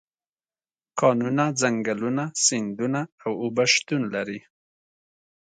کانونه، ځنګلونه، سیندونه او اوبه شتون لري.